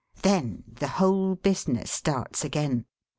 Then the whole business starts again.